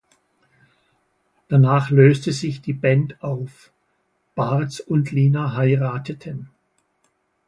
Danach löste sich die Band auf, Barz und Lina heirateten.